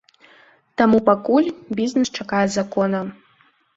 Таму пакуль бізнэс чакае закона.